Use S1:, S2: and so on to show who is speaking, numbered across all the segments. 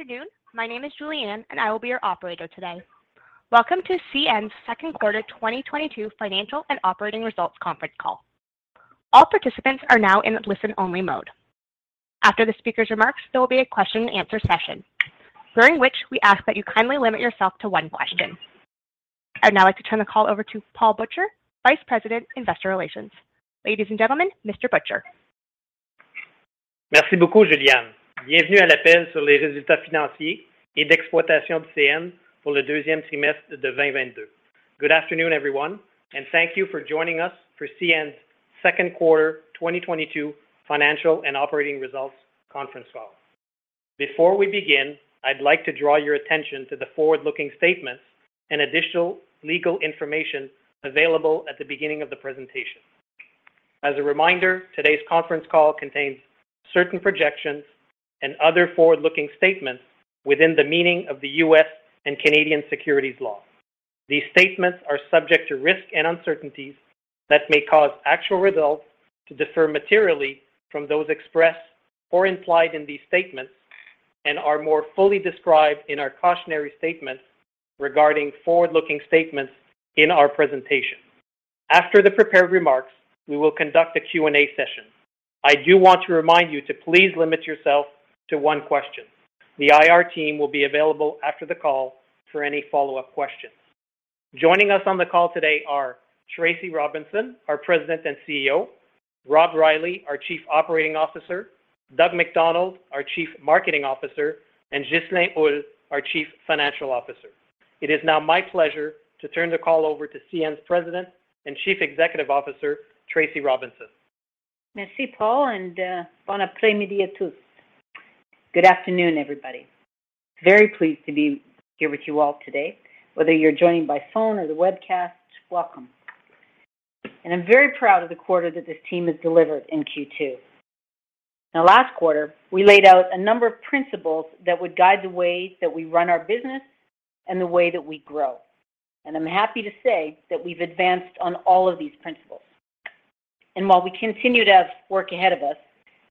S1: Good afternoon. My name is Julianne, and I will be your operator today. Welcome to CN's second quarter 2022 financial and operating results conference call. All participants are now in listen only mode. After the speaker's remarks, there will be a question and answer session, during which we ask that you kindly limit yourself to one question. I'd now like to turn the call over to Paul Butcher, Vice President, Investor Relations. Ladies and gentlemen, Mr. Butcher.
S2: Merci beaucoup, Julianne. Bienvenue à l'appel sur les résultats financiers et d'exploitation de CN pour le deuxième trimestre de 2022. Good afternoon, everyone, and thank you for joining us for CN's second quarter 2022 financial and operating results conference call. Before we begin, I'd like to draw your attention to the forward-looking statements and additional legal information available at the beginning of the presentation. As a reminder, today's conference call contains certain projections and other forward-looking statements within the meaning of the U.S. and Canadian securities law. These statements are subject to risks and uncertainties that may cause actual results to differ materially from those expressed or implied in these statements and are more fully described in our cautionary statements regarding forward-looking statements in our presentation. After the prepared remarks, we will conduct a Q&A session. I do want to remind you to please limit yourself to one question. The IR team will be available after the call for any follow-up questions. Joining us on the call today are Tracy Robinson, our President and CEO, Rob Reilly, our Chief Operating Officer, Doug MacDonald, our Chief Marketing Officer, and Ghislain Houle, our Chief Financial Officer. It is now my pleasure to turn the call over to CN's President and Chief Executive Officer, Tracy Robinson.
S3: Merci, Paul, bon après-midi à tous. Good afternoon, everybody. Very pleased to be here with you all today. Whether you're joining by phone or the webcast, welcome. I'm very proud of the quarter that this team has delivered in Q2. Now last quarter, we laid out a number of principles that would guide the way that we run our business and the way that we grow. I'm happy to say that we've advanced on all of these principles. While we continue to have work ahead of us,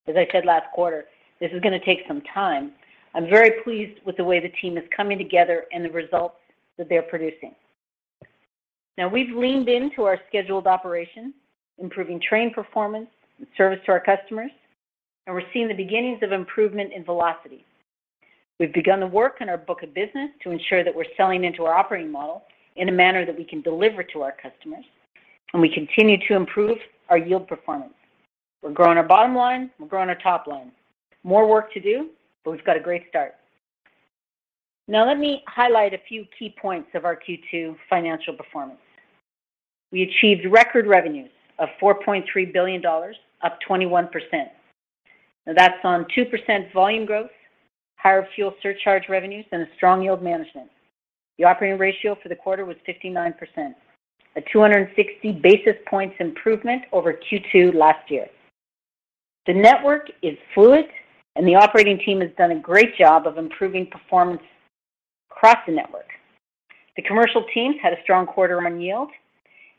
S3: as I said last quarter, this is gonna take some time. I'm very pleased with the way the team is coming together and the results that they're producing. Now we've leaned into our scheduled operations, improving train performance and service to our customers, and we're seeing the beginnings of improvement in velocity. We've begun the work on our book of business to ensure that we're selling into our operating model in a manner that we can deliver to our customers, and we continue to improve our yield performance. We're growing our bottom line, we're growing our top line. More work to do, but we've got a great start. Now let me highlight a few key points of our Q2 financial performance. We achieved record revenues of $4.3 billion, up 21%. Now that's on 2% volume growth, higher fuel surcharge revenues, and a strong yield management. The operating ratio for the quarter was 59%, a 260 basis points improvement over Q2 last year. The network is fluid, and the operating team has done a great job of improving performance across the network. The commercial teams had a strong quarter on yield,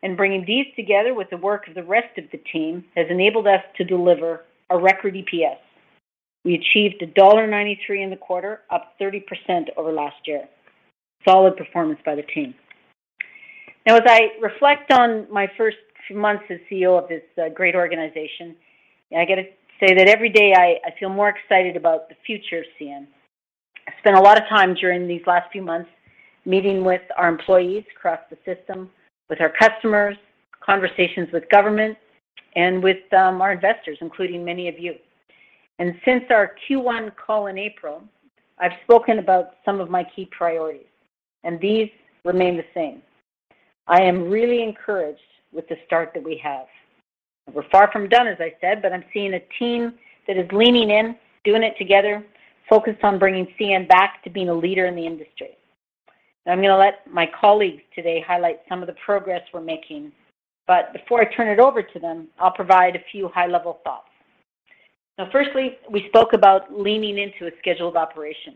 S3: and bringing these together with the work of the rest of the team has enabled us to deliver a record EPS. We achieved $1.93 in the quarter, up 30% over last year. Solid performance by the team. Now as I reflect on my first few months as CEO of this great organization, I got to say that every day I feel more excited about the future of CN. I spent a lot of time during these last few months meeting with our employees across the system, with our customers, conversations with government, and with our investors, including many of you. Since our Q1 call in April, I've spoken about some of my key priorities, and these remain the same. I am really encouraged with the start that we have. We're far from done, as I said, but I'm seeing a team that is leaning in, doing it together, focused on bringing CN back to being a leader in the industry. Now I'm gonna let my colleagues today highlight some of the progress we're making. Before I turn it over to them, I'll provide a few high-level thoughts. Now firstly, we spoke about leaning into a scheduled operation.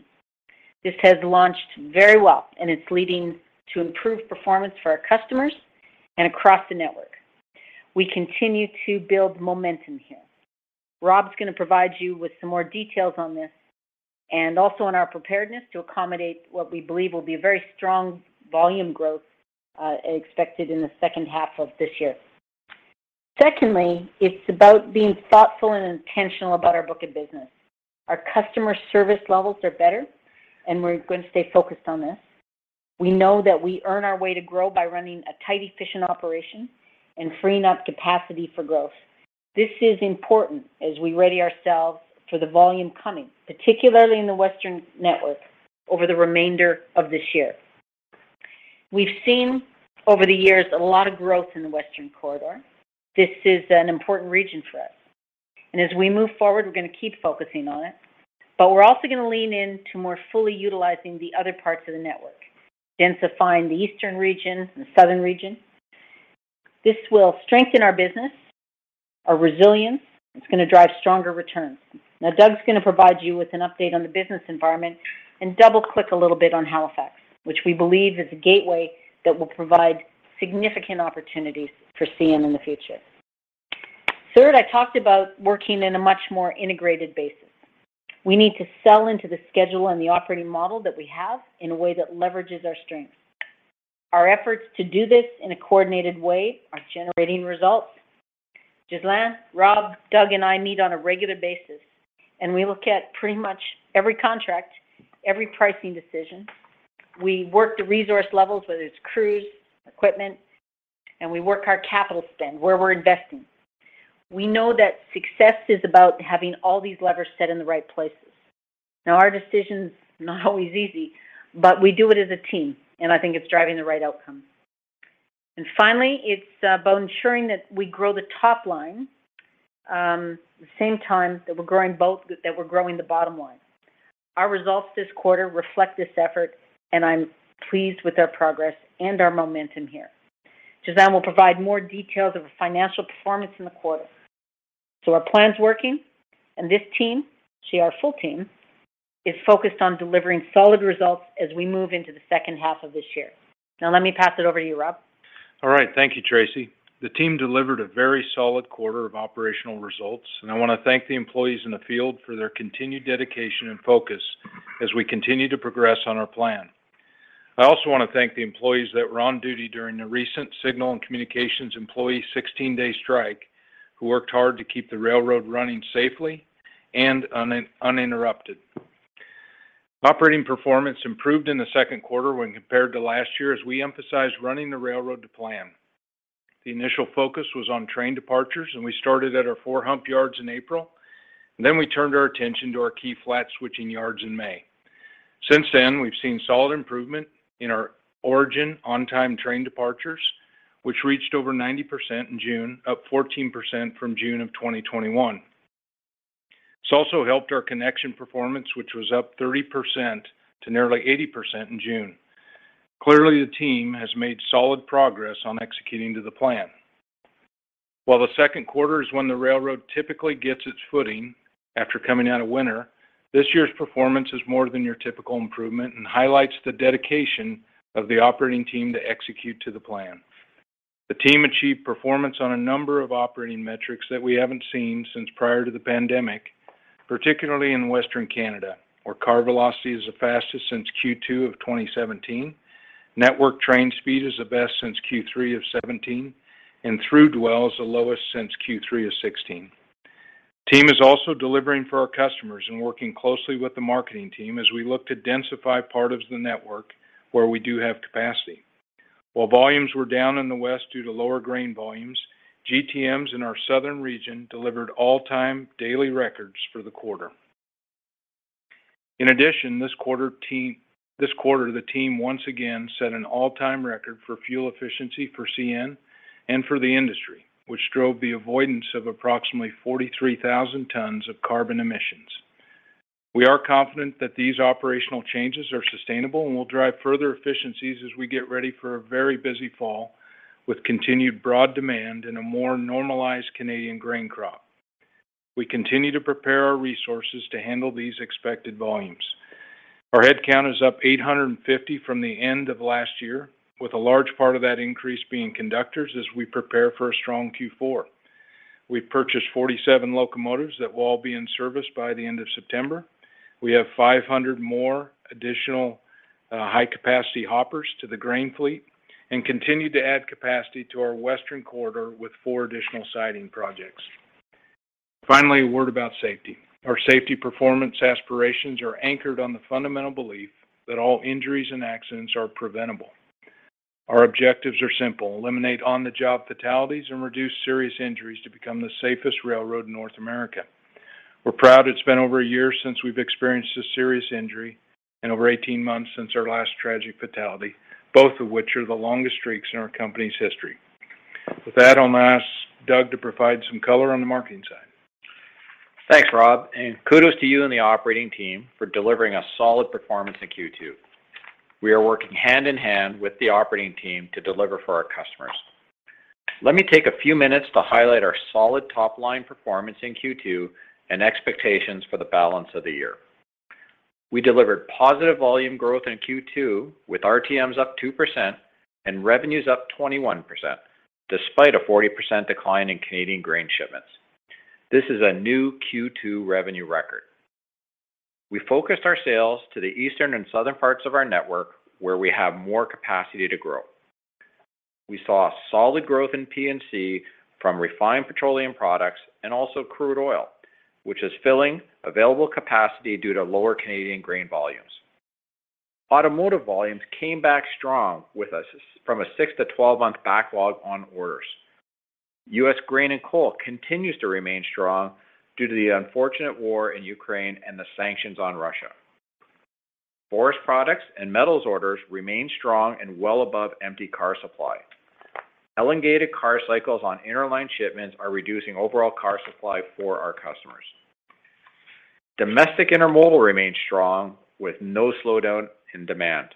S3: This has launched very well, and it's leading to improved performance for our customers and across the network. We continue to build momentum here. Rob's gonna provide you with some more details on this and also on our preparedness to accommodate what we believe will be a very strong volume growth, expected in the second half of this year. Secondly, it's about being thoughtful and intentional about our book of business. Our customer service levels are better, and we're going to stay focused on this. We know that we earn our way to grow by running a tight, efficient operation and freeing up capacity for growth. This is important as we ready ourselves for the volume coming, particularly in the Western network over the remainder of this year. We've seen over the years a lot of growth in the Western corridor. This is an important region for us. As we move forward, we're gonna keep focusing on it, but we're also gonna lean in to more fully utilizing the other parts of the network, densifying the eastern region and the southern region. This will strengthen our business, our resilience. It's gonna drive stronger returns. Now Doug's gonna provide you with an update on the business environment and double-click a little bit on Halifax, which we believe is a gateway that will provide significant opportunities for CN in the future. Third, I talked about working in a much more integrated basis. We need to sell into the schedule and the operating model that we have in a way that leverages our strengths. Our efforts to do this in a coordinated way are generating results. Ghislain, Rob, Doug, and I meet on a regular basis, and we look at pretty much every contract, every pricing decision. We work the resource levels, whether it's crews, equipment, and we work our capital spend where we're investing. We know that success is about having all these levers set in the right places. Now, our decision's not always easy, but we do it as a team, and I think it's driving the right outcome. Finally, it's about ensuring that we grow the top line, at the same time that we're growing the bottom line. Our results this quarter reflect this effort, and I'm pleased with our progress and our momentum here. Ghislain will provide more details of the financial performance in the quarter. Our plan's working and this team, CN, our full team, is focused on delivering solid results as we move into the second half of this year. Now let me pass it over to you, Rob.
S4: All right. Thank you, Tracy. The team delivered a very solid quarter of operational results, and I want to thank the employees in the field for their continued dedication and focus as we continue to progress on our plan. I also want to thank the employees that were on duty during the recent signal and communications employee 16-day strike, who worked hard to keep the railroad running safely and uninterrupted. Operating performance improved in the second quarter when compared to last year as we emphasized running the railroad to plan. The initial focus was on train departures, and we started at our four-hump yards in April, and then we turned our attention to our key flat switching yards in May. Since then, we've seen solid improvement in our origin on time train departures, which reached over 90% in June, up 14% from June 2021. It's also helped our connection performance, which was up 30% to nearly 80% in June. Clearly, the team has made solid progress on executing to the plan. While the second quarter is when the railroad typically gets its footing after coming out of winter, this year's performance is more than your typical improvement and highlights the dedication of the operating team to execute to the plan. The team achieved performance on a number of operating metrics that we haven't seen since prior to the pandemic, particularly in Western Canada, where car velocity is the fastest since Q2 of 2017. Network train speed is the best since Q3 of 2017, and through dwell is the lowest since Q3 of 2016. Team is also delivering for our customers and working closely with the marketing team as we look to densify part of the network where we do have capacity. While volumes were down in the west due to lower grain volumes, GTMs in our southern region delivered all-time daily records for the quarter. In addition, this quarter, the team once again set an all-time record for fuel efficiency for CN and for the industry, which drove the avoidance of approximately 43,000 tons of carbon emissions. We are confident that these operational changes are sustainable and will drive further efficiencies as we get ready for a very busy fall with continued broad demand in a more normalized Canadian grain crop. We continue to prepare our resources to handle these expected volumes. Our headcount is up 850 from the end of last year, with a large part of that increase being conductors as we prepare for a strong Q4. We purchased 47 locomotives that will all be in service by the end of September. We have 500 more additional high capacity hoppers to the grain fleet and continue to add capacity to our western corridor with four additional siding projects. Finally, a word about safety. Our safety performance aspirations are anchored on the fundamental belief that all injuries and accidents are preventable. Our objectives are simple. Eliminate on-the-job fatalities and reduce serious injuries to become the safest railroad in North America. We're proud it's been over a year since we've experienced a serious injury and over 18 months since our last tragic fatality, both of which are the longest streaks in our company's history. With that, I'll ask Doug to provide some color on the marketing side.
S5: Thanks, Rob, and kudos to you and the operating team for delivering a solid performance in Q2. We are working hand in hand with the operating team to deliver for our customers. Let me take a few minutes to highlight our solid top-line performance in Q2 and expectations for the balance of the year. We delivered positive volume growth in Q2 with RTMs up 2% and revenues up 21% despite a 40% decline in Canadian grain shipments. This is a new Q2 revenue record. We focused our sales to the eastern and southern parts of our network where we have more capacity to grow. We saw solid growth in P&C from refined petroleum products and also crude oil, which is filling available capacity due to lower Canadian grain volumes. Automotive volumes came back strong with us from a six to 12-month backlog on orders. U.S. grain and coal continues to remain strong due to the unfortunate war in Ukraine and the sanctions on Russia. Forest products and metals orders remain strong and well above empty car supply. Elongated car cycles on interline shipments are reducing overall car supply for our customers. Domestic intermodal remains strong with no slowdown in demand.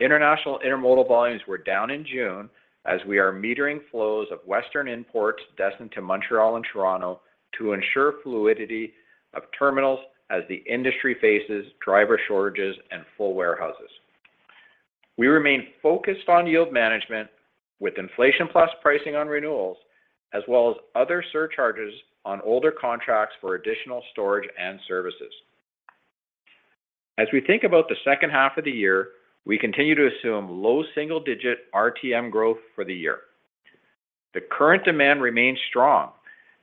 S5: International intermodal volumes were down in June as we are metering flows of Western imports destined to Montreal and Toronto to ensure fluidity of terminals as the industry faces driver shortages and full warehouses. We remain focused on yield management with inflation plus pricing on renewals, as well as other surcharges on older contracts for additional storage and services. As we think about the second half of the year, we continue to assume low single-digit RTM growth for the year. The current demand remains strong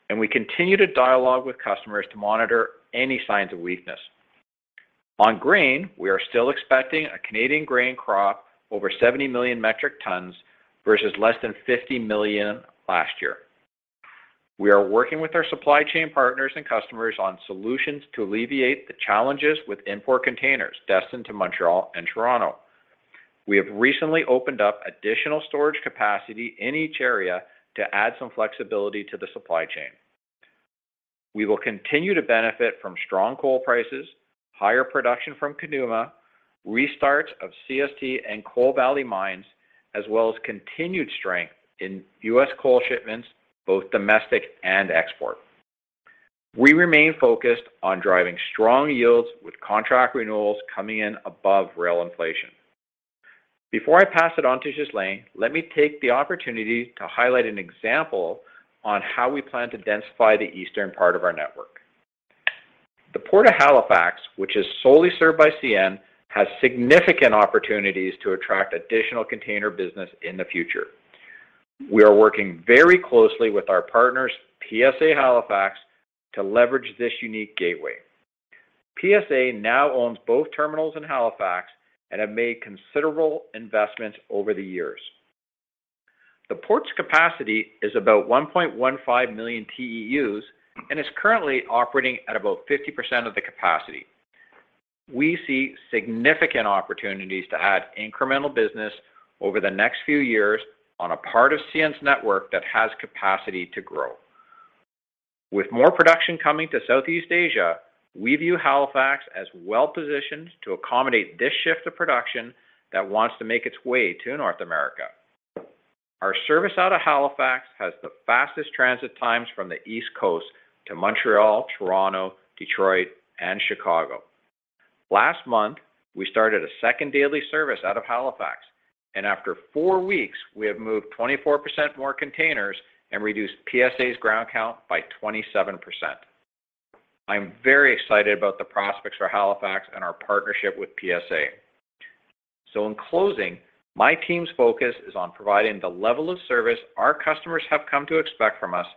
S5: and we continue to dialogue with customers to monitor any signs of weakness. On grain, we are still expecting a Canadian grain crop over 70 million metric tons versus less than 50 million metric tons last year. We are working with our supply chain partners and customers on solutions to alleviate the challenges with import containers destined to Montreal and Toronto. We have recently opened up additional storage capacity in each area to add some flexibility to the supply chain. We will continue to benefit from strong coal prices, higher production from Conuma, restarts of CST and Coal Valley mines, as well as continued strength in U.S. coal shipments, both domestic and export. We remain focused on driving strong yields with contract renewals coming in above rail inflation. Before I pass it on to Ghislain, let me take the opportunity to highlight an example on how we plan to densify the eastern part of our network. The Port of Halifax, which is solely served by CN, has significant opportunities to attract additional container business in the future. We are working very closely with our partners, PSA Halifax, to leverage this unique gateway. PSA now owns both terminals in Halifax and have made considerable investments over the years. The port's capacity is about 1.15 million TEUs and is currently operating at about 50% of the capacity. We see significant opportunities to add incremental business over the next few years on a part of CN's network that has capacity to grow. With more production coming to Southeast Asia, we view Halifax as well-positioned to accommodate this shift of production that wants to make its way to North America. Our service out of Halifax has the fastest transit times from the East Coast to Montreal, Toronto, Detroit, and Chicago. Last month, we started a second daily service out of Halifax, and after four weeks, we have moved 24% more containers and reduced PSA's ground count by 27%. I'm very excited about the prospects for Halifax and our partnership with PSA. In closing, my team's focus is on providing the level of service our customers have come to expect from us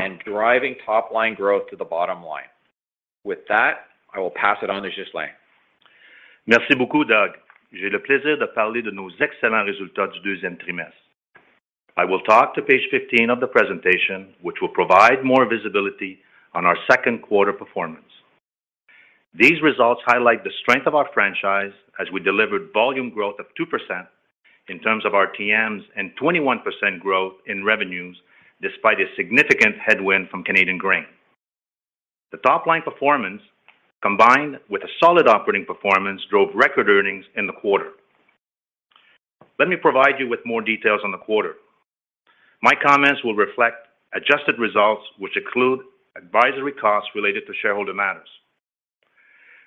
S5: and driving top-line growth to the bottom line. With that, I will pass it on to Ghislain.
S6: Merci beaucoup, Doug. J'ai le plaisir de parler de nos excellents résultats du deuxième trimestre. I will talk to page 15 of the presentation, which will provide more visibility on our second quarter performance. These results highlight the strength of our franchise as we delivered volume growth of 2% in terms of RTMs and 21% growth in revenues despite a significant headwind from Canadian Grain. The top-line performance, combined with a solid operating performance, drove record earnings in the quarter. Let me provide you with more details on the quarter. My comments will reflect adjusted results which include advisory costs related to shareholder matters.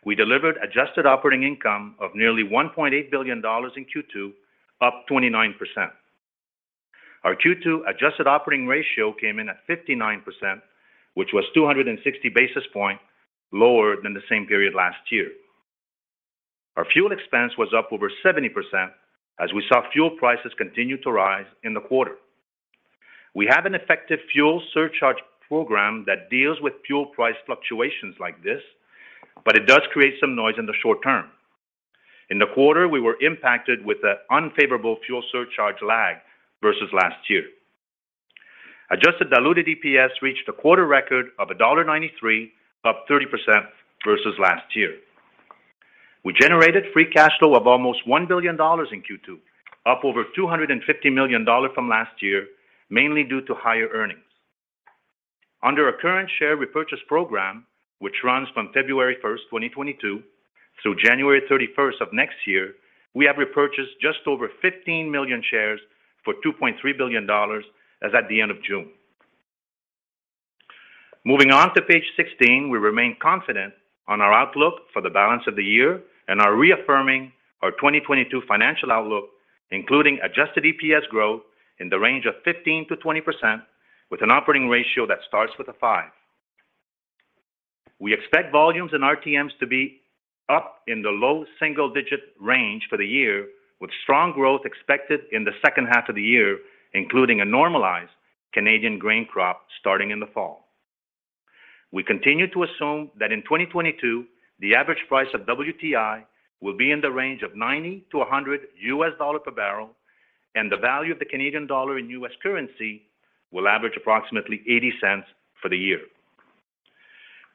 S6: We delivered adjusted operating income of nearly 1.8 billion dollars in Q2, up 29%. Our Q2 adjusted operating ratio came in at 59%, which was 260 basis points lower than the same period last year. Our fuel expense was up over 70% as we saw fuel prices continue to rise in the quarter. We have an effective fuel surcharge program that deals with fuel price fluctuations like this, but it does create some noise in the short term. In the quarter, we were impacted with an unfavorable fuel surcharge lag versus last year. Adjusted diluted EPS reached a quarter record of $1.93, up 30% versus last year. We generated free cash flow of almost $1 billion in Q2, up over $250 million from last year, mainly due to higher earnings. Under our current share repurchase program, which runs from February 1st, 2022 through January 31st of next year, we have repurchased just over 15 million shares for $2.3 billion as at the end of June. Moving on to page 16, we remain confident on our outlook for the balance of the year and are reaffirming our 2022 financial outlook, including adjusted EPS growth in the range of 15%-20% with an operating ratio that starts with a five. We expect volumes in RTMs to be up in the low single-digit range for the year, with strong growth expected in the second half of the year, including a normalized Canadian grain crop starting in the fall. We continue to assume that in 2022, the average price of WTI will be in the range of $90-$100 per barrel, and the value of the Canadian dollar in U.S. currency will average approximately $0.80 for the year.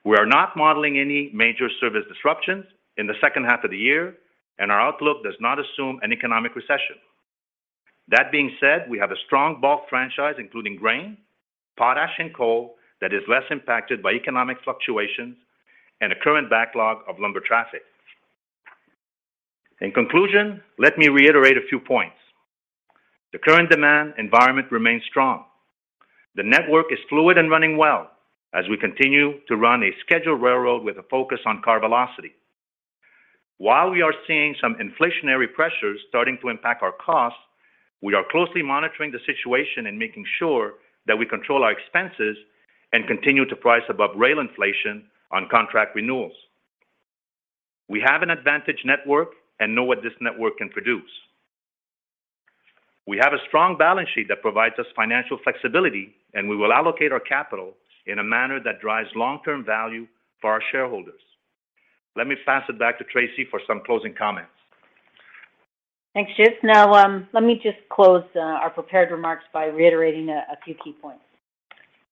S6: We are not modeling any major service disruptions in the second half of the year, and our outlook does not assume an economic recession. That being said, we have a strong bulk franchise, including grain, potash, and coal that is less impacted by economic fluctuations and a current backlog of lumber traffic. In conclusion, let me reiterate a few points. The current demand environment remains strong. The network is fluid and running well as we continue to run a scheduled railroad with a focus on car velocity. While we are seeing some inflationary pressures starting to impact our costs, we are closely monitoring the situation and making sure that we control our expenses and continue to price above rail inflation on contract renewals. We have an advantaged network and know what this network can produce. We have a strong balance sheet that provides us financial flexibility, and we will allocate our capital in a manner that drives long-term value for our shareholders. Let me pass it back to Tracy for some closing comments.
S3: Thanks, Ghislain. Now, let me just close our prepared remarks by reiterating a few key points.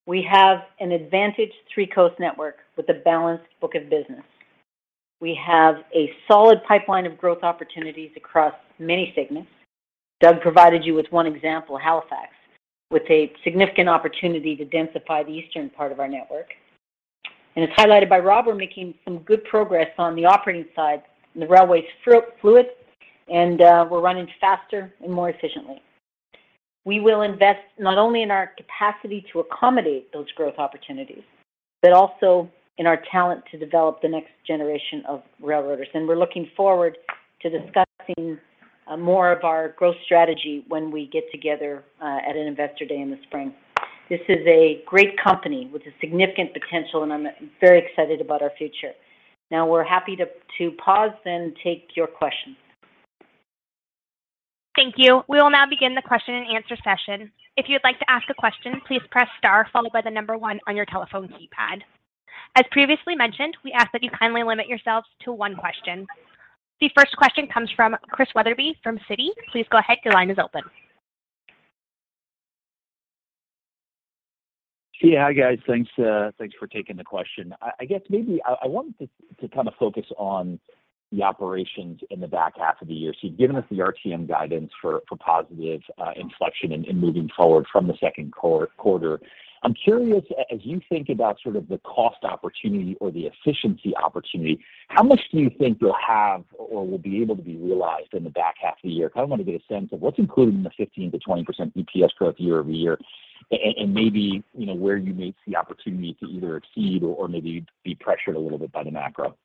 S3: We have an advantage Three Coast network with a balanced book of business. We have a solid pipeline of growth opportunities across many segments. Doug provided you with one example, Halifax, with a significant opportunity to densify the eastern part of our network. As highlighted by Rob, we're making some good progress on the operating side, and the railway's fluid, and we're running faster and more efficiently. We will invest not only in our capacity to accommodate those growth opportunities, but also in our talent to develop the next generation of railroaders. We're looking forward to discussing more of our growth strategy when we get together at an investor day in the spring. This is a great company with a significant potential, and I'm very excited about our future. Now we're happy to pause and take your questions.
S1: Thank you. We will now begin the question and answer session. If you'd like to ask a question, please press star followed by the number one on your telephone keypad. As previously mentioned, we ask that you kindly limit yourselves to one question. The first question comes from Chris Wetherbee from Citi. Please go ahead, your line is open.
S7: Yeah. Hi, guys. Thanks for taking the question. I guess maybe I wanted to kind of focus on the operations in the back half of the year. You've given us the RTM guidance for positive inflection in moving forward from the second quarter. I'm curious, as you think about sort of the cost opportunity or the efficiency opportunity, how much do you think you'll have or will be able to be realized in the back half of the year? Kind of want to get a sense of what's included in the 15%-20% EPS growth year-over-year and maybe, you know, where you may see opportunity to either exceed or maybe be pressured a little bit by the macro.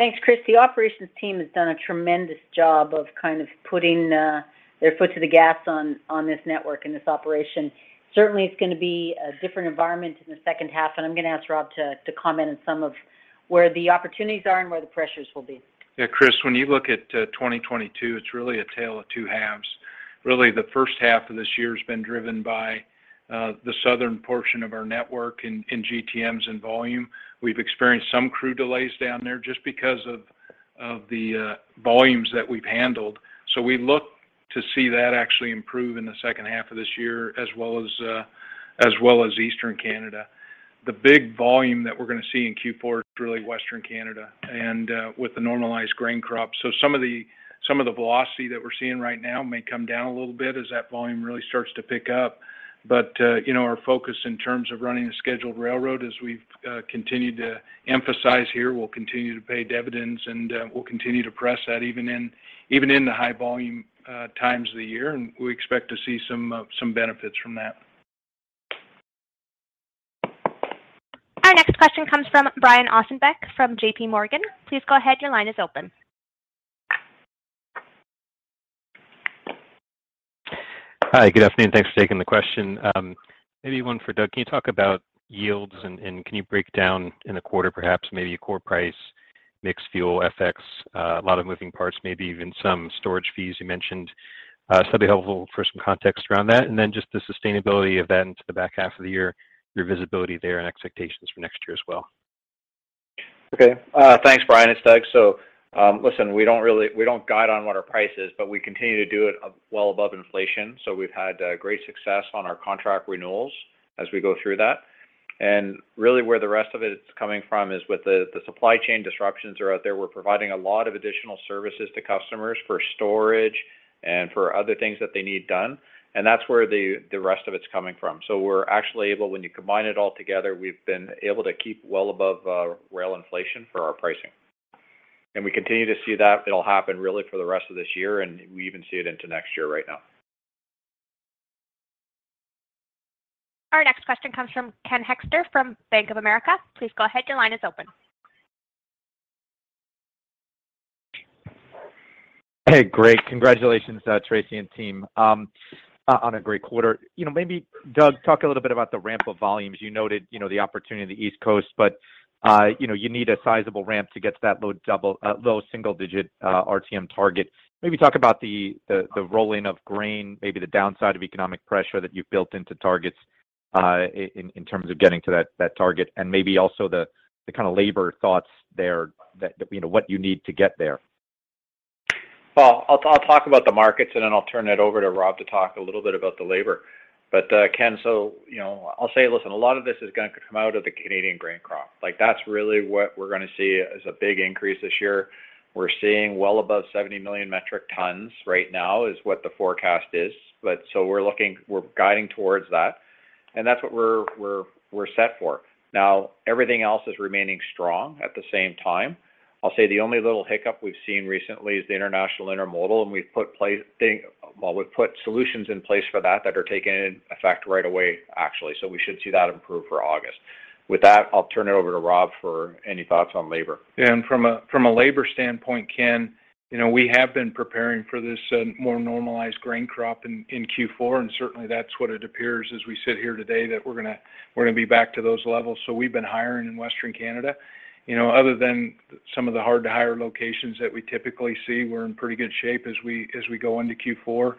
S3: Thanks, Chris. The operations team has done a tremendous job of kind of putting their foot to the gas on this network and this operation. Certainly it's gonna be a different environment in the second half, and I'm gonna ask Rob to comment on some of where the opportunities are and where the pressures will be.
S4: Yeah, Chris, when you look at 2022, it's really a tale of two halves. Really, the first half of this year has been driven by the southern portion of our network in GTMs and volume. We've experienced some crew delays down there just because of the volumes that we've handled. We look to see that actually improve in the second half of this year as well as Eastern Canada. The big volume that we're gonna see in Q4 is really Western Canada with the normalized grain crop. Some of the velocity that we're seeing right now may come down a little bit as that volume really starts to pick up. You know, our focus in terms of running the scheduled railroad as we've continued to emphasize here will continue to pay dividends and will continue to press that even in the high volume times of the year, and we expect to see some benefits from that.
S1: Our next question comes from Brian Ossenbeck from JPMorgan. Please go ahead, your line is open.
S8: Hi, good afternoon. Thanks for taking the question. Maybe one for Doug. Can you talk about yields and can you break down in a quarter perhaps maybe a core price, mixed fuel, FX, a lot of moving parts, maybe even some storage fees you mentioned. So that'd be helpful for some context around that. Then just the sustainability of that into the back half of the year, your visibility there and expectations for next year as well.
S5: Okay. Thanks, Brian. It's Doug. Listen, we don't guide on what our price is, but we continue to do it well above inflation. We've had great success on our contract renewals as we go through that. Really where the rest of it is coming from is with the supply chain disruptions are out there. We're providing a lot of additional services to customers for storage and for other things that they need done. That's where the rest of it's coming from. We're actually able, when you combine it all together, we've been able to keep well above rail inflation for our pricing. We continue to see that it'll happen really for the rest of this year, and we even see it into next year right now.
S1: Our next question comes from Ken Hoexter from Bank of America. Please go ahead, your line is open.
S9: Hey, great. Congratulations, Tracy and team, on a great quarter. You know, maybe Doug, talk a little bit about the ramp of volumes. You noted, you know, the opportunity in the East Coast, but, you know, you need a sizable ramp to get to that low single digit RTM target. Maybe talk about the rolling of grain, maybe the downside of economic pressure that you've built into targets, in terms of getting to that target, and maybe also the kind of labor thoughts there that, you know, what you need to get there.
S5: I'll talk about the markets, and then I'll turn it over to Rob to talk a little bit about the labor. Ken, you know, I'll say, listen, a lot of this is gonna come out of the Canadian grain crop. Like, that's really what we're gonna see as a big increase this year. We're seeing well above 70 million metric tons right now is what the forecast is. We're guiding towards that. That's what we're set for. Now, everything else is remaining strong at the same time. I'll say the only little hiccup we've seen recently is the international intermodal, and we've put solutions in place for that are taking effect right away, actually. We should see that improve for August. With that, I'll turn it over to Rob for any thoughts on labor.
S4: From a labor standpoint, Ken, you know, we have been preparing for this more normalized grain crop in Q4, and certainly that's what it appears as we sit here today that we're gonna be back to those levels. We've been hiring in Western Canada. You know, other than some of the hard-to-hire locations that we typically see, we're in pretty good shape as we go into Q4.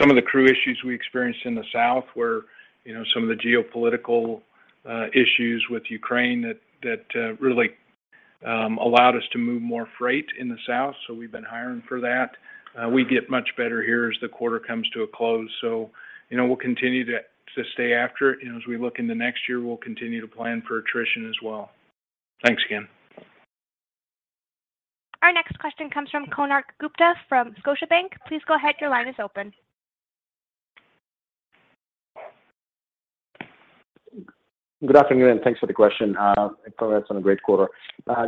S4: Some of the crew issues we experienced in the south were, you know, some of the geopolitical issues with Ukraine that really allowed us to move more freight in the south, so we've been hiring for that. We get much better here as the quarter comes to a close. You know, we'll continue to stay after it, and as we look into next year, we'll continue to plan for attrition as well. Thanks, Ken.
S1: Our next question comes from Konark Gupta from Scotiabank. Please go ahead, your line is open.
S10: Good afternoon, and thanks for the question. Congrats on a great quarter.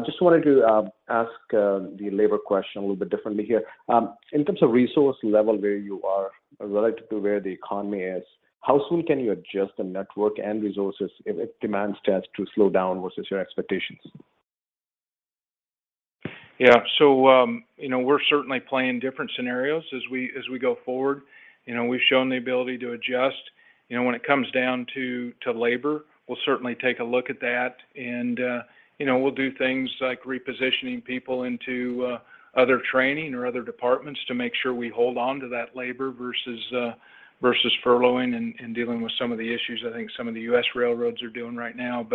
S10: Just wanted to ask the labor question a little bit differently here. In terms of resource level where you are related to where the economy is, how soon can you adjust the network and resources if demand starts to slow down versus your expectations?
S4: Yeah. You know, we're certainly playing different scenarios as we go forward. You know, we've shown the ability to adjust. You know, when it comes down to labor, we'll certainly take a look at that and you know, we'll do things like repositioning people into other training or other departments to make sure we hold onto that labor versus furloughing and dealing with some of the issues I think some of the US railroads are doing right now.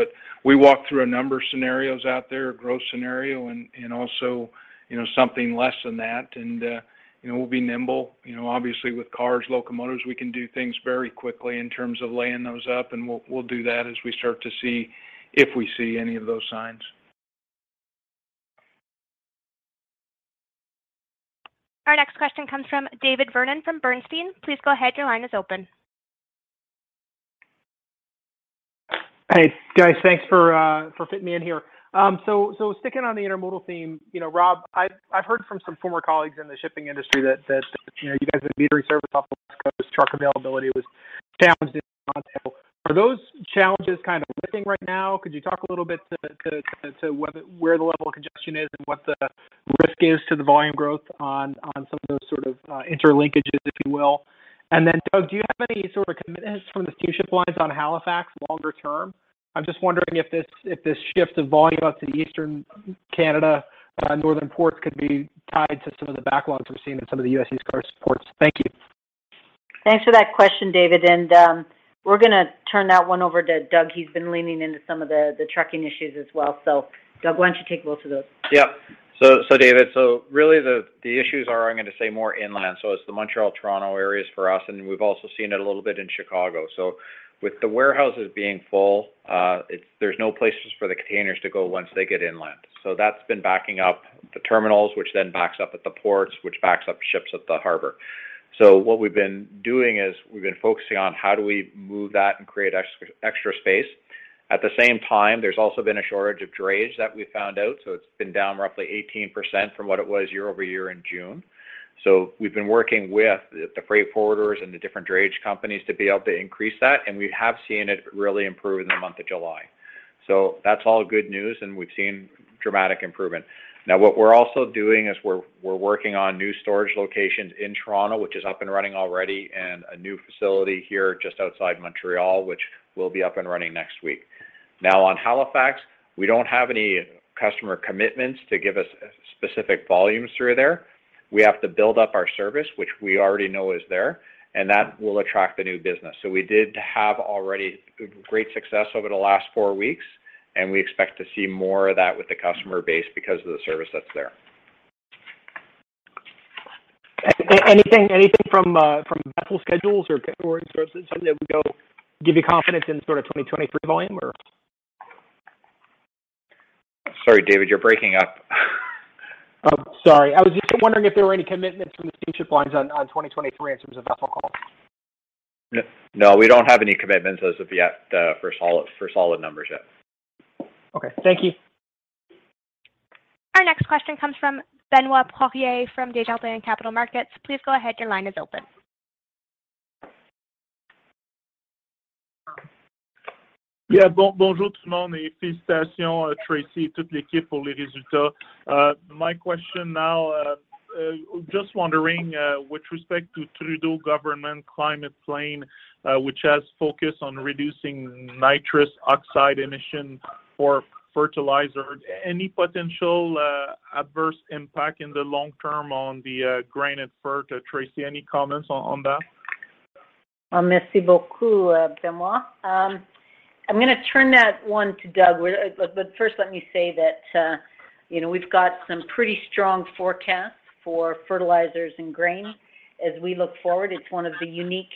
S4: We walk through a number of scenarios out there, a growth scenario and also, you know, something less than that. You know, we'll be nimble. You know, obviously with cars, locomotives, we can do things very quickly in terms of laying those up, and we'll do that as we start to see if we see any of those signs.
S1: Our next question comes from David Vernon from Bernstein. Please go ahead, your line is open.
S11: Hey, guys. Thanks for fitting me in here. So sticking on the intermodal theme, you know, Rob, I've heard from some former colleagues in the shipping industry that you know, you guys have been delivering service off the US West Coast. Truck availability was challenged. Are those challenges kind of lifting right now? Could you talk a little bit to where the level of congestion is and what the risk is to the volume growth on some of those sort of interlinkages, if you will? Doug, do you have any sort of commitments from the steamship lines on Halifax longer term? I'm just wondering if this shift of volume out to the Eastern Canada northern ports could be tied to some of the backlogs we're seeing in some of the US West Coast ports. Thank you.
S3: Thanks for that question, David. We're gonna turn that one over to Doug. He's been leaning into some of the trucking issues as well. Doug, why don't you take both of those?
S5: David, really the issues are, I'm gonna say, more inland. It's the Montreal-Toronto areas for us, and we've also seen it a little bit in Chicago. With the warehouses being full, there's no places for the containers to go once they get inland. That's been backing up the terminals, which then backs up at the ports, which backs up ships at the harbor. What we've been doing is we've been focusing on how do we move that and create extra space. At the same time, there's also been a shortage of drays that we found out, so it's been down roughly 18% from what it was year-over-year in June. We've been working with the freight forwarders and the different drayage companies to be able to increase that, and we have seen it really improve in the month of July. That's all good news, and we've seen dramatic improvement. Now, what we're also doing is we're working on new storage locations in Toronto, which is up and running already, and a new facility here just outside Montreal, which will be up and running next week. Now, on Halifax, we don't have any customer commitments to give us specific volumes through there. We have to build up our service, which we already know is there, and that will attract the new business. We did have already great success over the last four weeks, and we expect to see more of that with the customer base because of the service that's there.
S11: Anything from vessel schedules or give you confidence in sort of 2023 volume, or?
S5: Sorry, David, you're breaking up.
S11: Oh, sorry. I was just wondering if there were any commitments from the steamship lines on 2023 in terms of vessel calls?
S5: No. No, we don't have any commitments as of yet, for solid numbers yet.
S11: Okay, thank you.
S1: Our next question comes from Benoit Poirier from Desjardins Capital Markets. Please go ahead, your line is open.
S12: Yeah, my question now, just wondering with respect to Trudeau government climate plan, which has focused on reducing nitrous oxide emissions for fertilizer. Any potential adverse impact in the long term on the grain and fert, Tracy? Any comments on that?
S3: I'm gonna turn that one to Doug. First let me say that, you know, we've got some pretty strong forecasts for fertilizers and grain as we look forward. It's one of the unique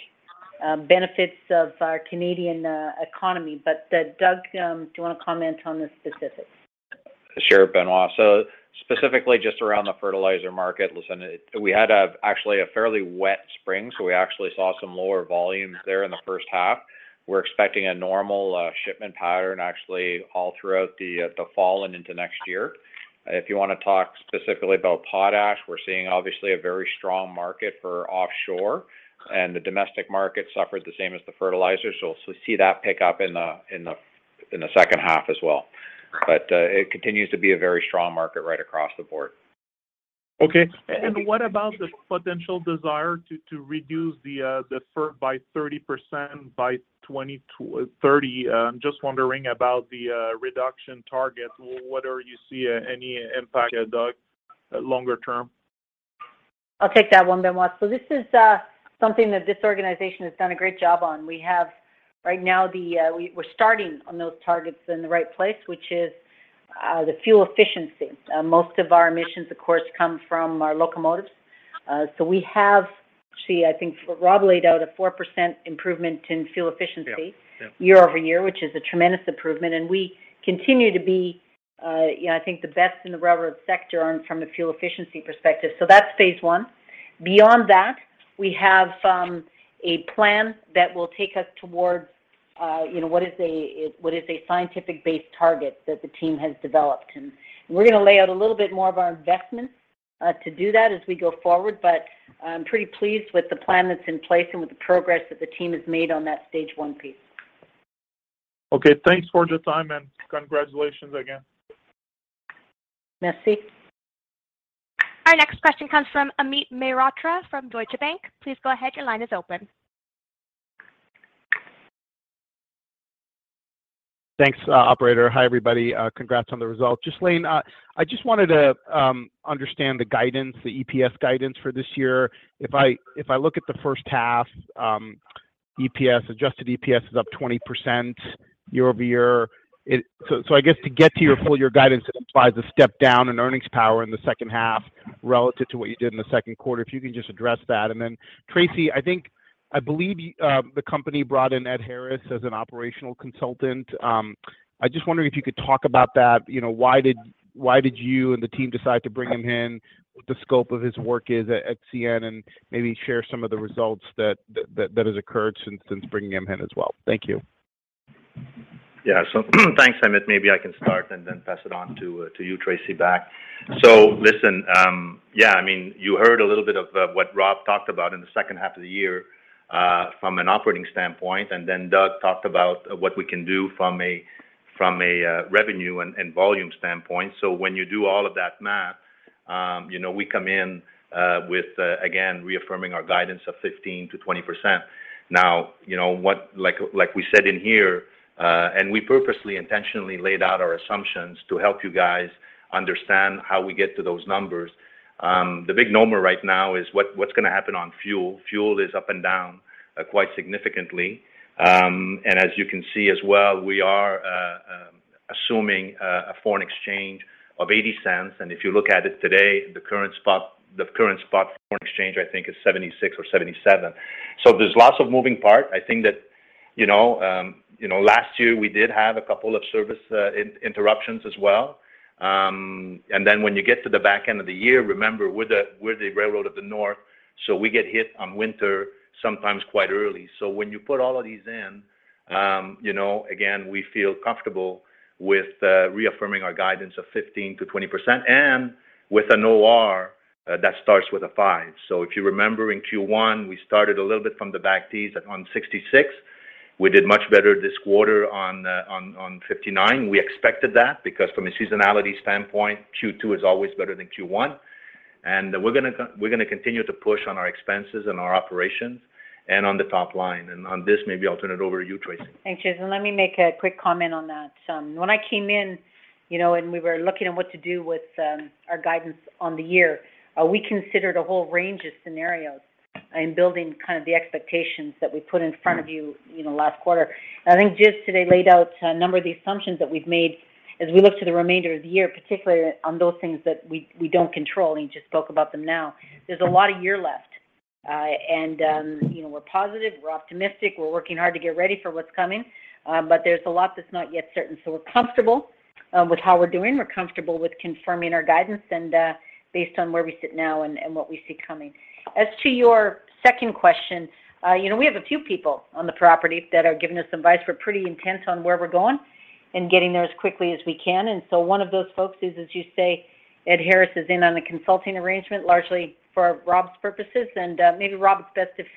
S3: benefits of our Canadian economy. Doug, do you wanna comment on the specifics?
S5: Sure, Benoit. Specifically just around the fertilizer market, listen, we had actually a fairly wet spring, so we actually saw some lower volumes there in the first half. We're expecting a normal shipment pattern actually all throughout the fall and into next year. If you wanna talk specifically about potash, we're seeing obviously a very strong market for offshore, and the domestic market suffered the same as the fertilizer. We'll see that pick up in the second half as well. It continues to be a very strong market right across the board.
S12: Okay. What about the potential desire to reduce the firm by 30% by 2030? Just wondering about the reduction target, whether you see any impact, Doug, longer term.
S3: I'll take that one, Benoit. This is something that this organization has done a great job on. We have right now, we're starting on those targets in the right place, which is the fuel efficiency. Most of our emissions, of course, come from our locomotives. We have, see, I think Rob laid out a 4% improvement in fuel efficiency-
S5: Yeah. Yeah.
S3: ..year-over-year, which is a tremendous improvement. We continue to be, you know, I think the best in the railroad sector from the fuel efficiency perspective. That's phase one. Beyond that, we have a plan that will take us towards, you know, what is a scientific-based target that the team has developed. We're gonna lay out a little bit more of our investments to do that as we go forward, but I'm pretty pleased with the plan that's in place and with the progress that the team has made on that stage one piece.
S12: Okay. Thanks for your time, and congratulations again.
S3: Merci.
S1: Our next question comes from Amit Mehrotra from Deutsche Bank. Please go ahead, your line is open.
S13: Thanks, operator. Hi, everybody. Congrats on the results. Ghislain, I just wanted to understand the guidance, the EPS guidance for this year. If I look at the first half, EPS, adjusted EPS is up 20% year-over-year. So, I guess to get to your full year guidance, it implies a step down in earnings power in the second half relative to what you did in the second quarter. If you can just address that. Then, Tracy, I think, I believe, the company brought in Edmond Harris as an operational consultant. I just wondering if you could talk about that. You know, why did you and the team decide to bring him in? What the scope of his work is at CN, and maybe share some of the results that has occurred since bringing him in as well? Thank you.
S6: Yeah. Thanks, Amit. Maybe I can start and then pass it on to you, Tracy, back. Listen, I mean, you heard a little bit of what Rob talked about in the second half of the year from an operating standpoint, and then Doug talked about what we can do from a revenue and volume standpoint. When you do all of that math, you know, we come in with again, reaffirming our guidance of 15%-20%. Now. Like we said in here, and we purposely, intentionally laid out our assumptions to help you guys understand how we get to those numbers. The big number right now is what's gonna happen on fuel. Fuel is up and down quite significantly. As you can see as well, we are assuming a foreign exchange of $0.80, and if you look at it today, the current spot foreign exchange, I think is $0.76 or $0.77. There's lots of moving parts. I think that, you know, last year we did have a couple of service interruptions as well. Then when you get to the back end of the year, remember, we're the railroad of the north, so we get hit by winter, sometimes quite early. When you put all of these in, you know, again, we feel comfortable with reaffirming our guidance of 15%-20% and with an OR that starts with a five. If you remember in Q1, we started a little bit from the back tees at 166. We did much better this quarter on 59. We expected that because from a seasonality standpoint, Q2 is always better than Q1. We're gonna continue to push on our expenses and our operations and on the top line. On this, maybe I'll turn it over to you, Tracy.
S3: Thanks, Ghislain. Let me make a quick comment on that. When I came in, you know, and we were looking at what to do with our guidance on the year, we considered a whole range of scenarios in building kind of the expectations that we put in front of you know, last quarter. I think Ghislain today laid out a number of the assumptions that we've made as we look to the remainder of the year, particularly on those things that we don't control, and he just spoke about them now. There's a lot of year left, and you know, we're positive, we're optimistic, we're working hard to get ready for what's coming, but there's a lot that's not yet certain. We're comfortable with how we're doing. We're comfortable with confirming our guidance and, based on where we sit now and what we see coming. As to your second question, you know, we have a few people on the property that are giving us advice. We're pretty intense on where we're going and getting there as quickly as we can. One of those folks is, as you say, Edmond Harris is in on a consulting arrangement, largely for Rob's purposes. Maybe, Rob, it's best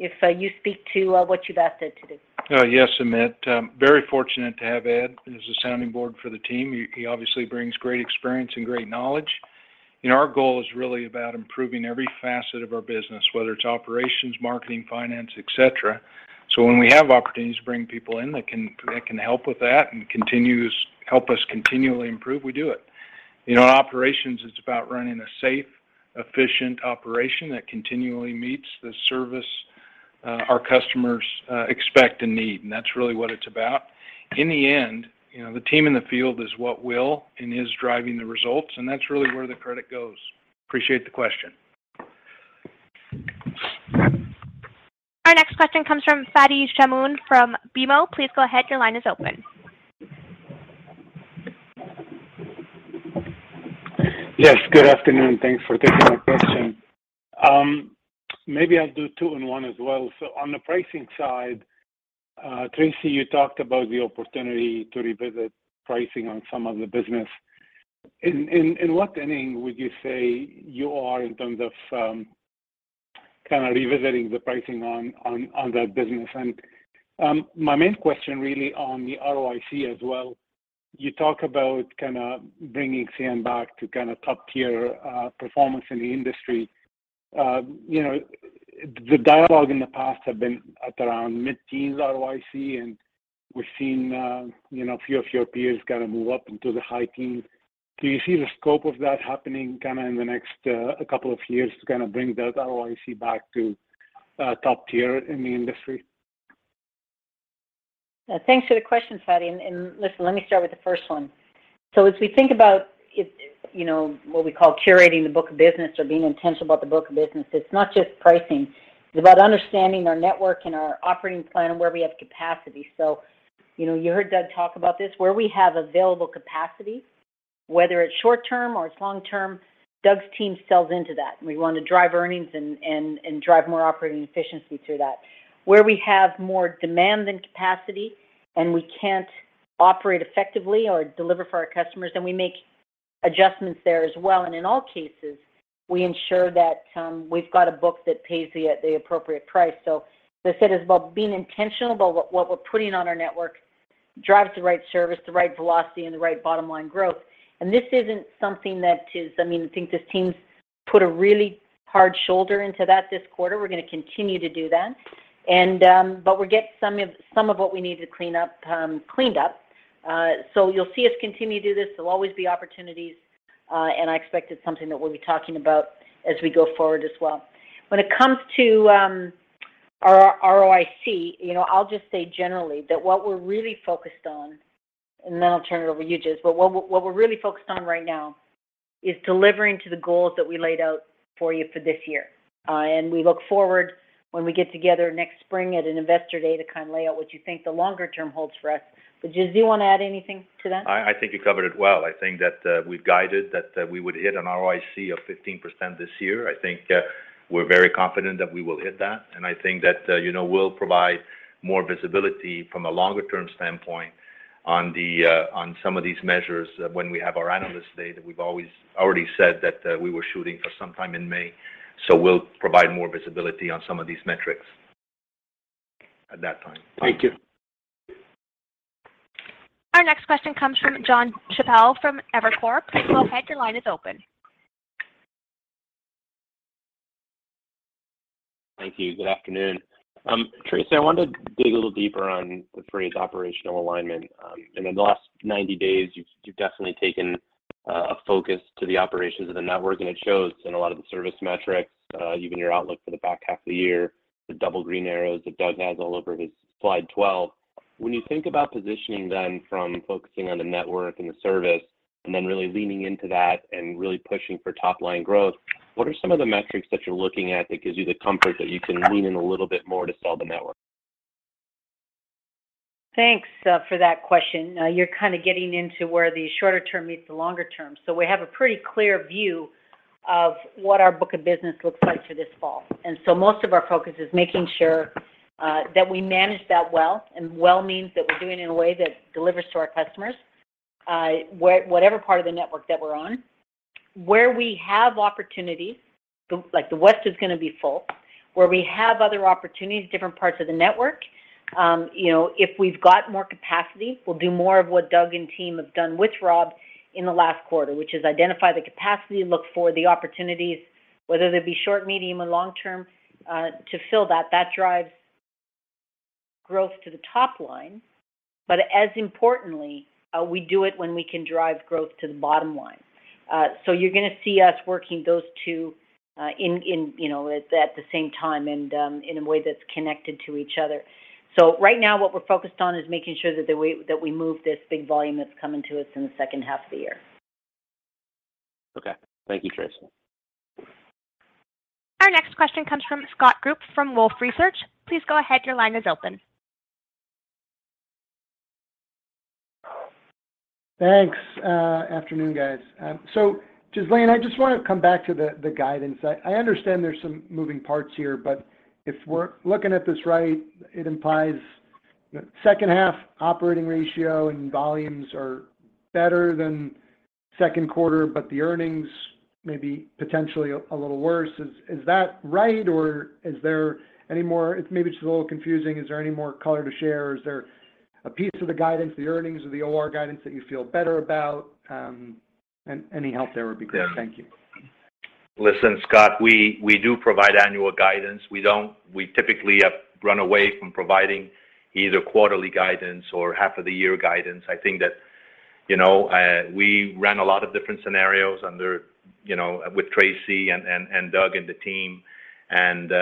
S3: if you speak to what you've asked Ed to do.
S4: Yes, Amit. Very fortunate to have Ed as a sounding board for the team. He obviously brings great experience and great knowledge. You know, our goal is really about improving every facet of our business, whether it's operations, marketing, finance, et cetera. When we have opportunities to bring people in that can help with that and help us continually improve, we do it. You know, operations is about running a safe, efficient operation that continually meets the service our customers expect and need, and that's really what it's about. In the end, you know, the team in the field is what will and is driving the results, and that's really where the credit goes. Appreciate the question.
S1: Our next question comes from Fadi Chamoun from BMO. Please go ahead. Your line is open.
S14: Yes, good afternoon. Thanks for taking my question. Maybe I'll do two in one as well. On the pricing side, Tracy, you talked about the opportunity to revisit pricing on some of the business. In what inning would you say you are in terms of kind of revisiting the pricing on that business? My main question really on the ROIC as well, you talk about kinda bringing CN back to kinda top-tier performance in the industry. You know, the dialogue in the past have been at around mid-teens ROIC, and we've seen you know, a few of your peers kinda move up into the high teens. Do you see the scope of that happening kinda in the next couple of years to kinda bring that ROIC back to top tier in the industry?
S3: Thanks for the question, Fadi. Listen, let me start with the first one. As we think about it, you know, what we call curating the book of business or being intentional about the book of business, it's not just pricing. It's about understanding our network and our operating plan and where we have capacity. You know, you heard Doug talk about this, where we have available capacity, whether it's short-term or it's long-term, Doug's team sells into that, and we want to drive earnings and drive more operating efficiency through that. Where we have more demand than capacity, and we can't operate effectively or deliver for our customers, then we make adjustments there as well. In all cases, we ensure that we've got a book that pays the appropriate price. As I said, it's about being intentional about what we're putting on our network, drives the right service, the right velocity, and the right bottom line growth. This isn't something. I mean, I think this team's put a really hard shoulder into that this quarter. We're gonna continue to do that. But we're getting some of what we need to clean up, cleaned up. You'll see us continue to do this. There'll always be opportunities, and I expect it's something that we'll be talking about as we go forward as well. When it comes to our ROIC, you know, I'll just say generally that what we're really focused on, and then I'll turn it over to you, Ghislain, but what we're really focused on right now is delivering to the goals that we laid out for you for this year. We look forward when we get together next spring at an Investor Day to kind of lay out what you think the longer term holds for us. Ghislain, do you wanna add anything to that?
S6: I think you covered it well. I think that we've guided that we would hit an ROIC of 15% this year. I think we're very confident that we will hit that. I think that you know we'll provide more visibility from a longer term standpoint on some of these measures when we have our Analyst Day that we've always already said that we were shooting for sometime in May. We'll provide more visibility on some of these metrics at that time.
S14: Thank you.
S1: Our next question comes from Jon Chappell from Evercore. Please go ahead. Your line is open.
S15: Thank you. Good afternoon. Tracy, I wanted to dig a little deeper on the phrase operational alignment. In the last 90 days, you've definitely taken a focus to the operations of the network, and it shows in a lot of the service metrics, even your outlook for the back half of the year, the double green arrows that Doug has all over his slide 12. When you think about positioning then from focusing on the network and the service and then really leaning into that and really pushing for top-line growth, what are some of the metrics that you're looking at that gives you the comfort that you can lean in a little bit more to sell the network?
S3: Thanks for that question. You're kinda getting into where the shorter term meets the longer term. We have a pretty clear view of what our book of business looks like for this fall. Most of our focus is making sure that we manage that well, and well means that we're doing it in a way that delivers to our customers whatever part of the network that we're on. Where we have opportunity, like the West is gonna be full. Where we have other opportunities, different parts of the network, you know, if we've got more capacity, we'll do more of what Doug and team have done with Rob in the last quarter, which is identify the capacity, look for the opportunities, whether they be short, medium, or long term, to fill that. That drives growth to the top line. As importantly, we do it when we can drive growth to the bottom line. You're gonna see us working those two, in you know at the same time and in a way that's connected to each other. Right now, what we're focused on is making sure that the way that we move this big volume that's coming to us in the second half of the year.
S15: Okay. Thank you, Tracy.
S1: Our next question comes from Scott Group from Wolfe Research. Please go ahead. Your line is open.
S16: Thanks. Afternoon, guys. Ghislain, I just wanna come back to the guidance. I understand there's some moving parts here, but if we're looking at this right, it implies second half operating ratio and volumes are better than second quarter, but the earnings may be potentially a little worse. Is that right, or is there any more? It's maybe just a little confusing. Is there any more color to share? Is there a piece of the guidance, the earnings or the OR guidance that you feel better about? Any help there would be great. Thank you.
S6: Listen, Scott, we do provide annual guidance. We typically have run away from providing either quarterly guidance or half of the year guidance. I think that, you know, we ran a lot of different scenarios under, you know, with Tracy and Doug and the team, and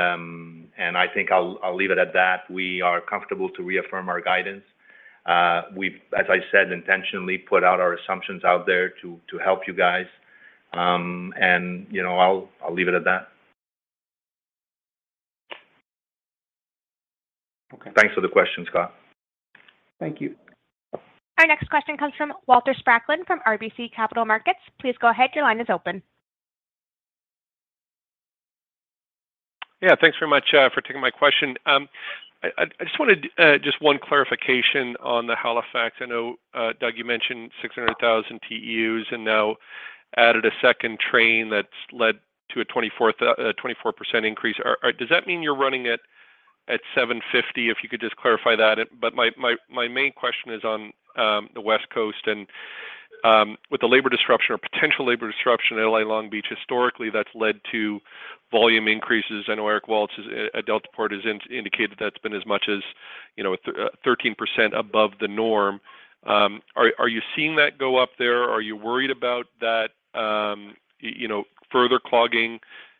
S6: I think I'll leave it at that. We are comfortable to reaffirm our guidance. We've, as I said, intentionally put out our assumptions out there to help you guys. You know, I'll leave it at that.
S16: Okay.
S6: Thanks for the question, Scott.
S16: Thank you.
S1: Our next question comes from Walter Spracklin from RBC Capital Markets. Please go ahead. Your line is open.
S17: Yeah. Thanks very much for taking my question. I just wanted just one clarification on the Halifax. I know, Doug, you mentioned 600,000 TEUs and now added a second train that's led to a 24% increase. Does that mean you're running it at 750,000 TEUs? If you could just clarify that. My main question is on the West Coast and with the labor disruption or potential labor disruption in L.A. Long Beach, historically, that's led to volume increases. I know Eric Waltz at Deltaport has indicated that's been as much as, you know, 13% above the norm. Are you seeing that go up there? Are you worried about that, you know, further clogging